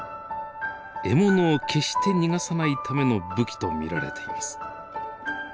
獲物を決して逃がさないための武器と見られています。